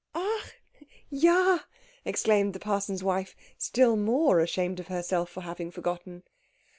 "Ach ja," exclaimed the parson's wife, still more ashamed of herself for having forgotten.